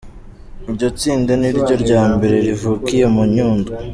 Iryo tsinda niryo rya mbere ryavukiye ku Nyundo.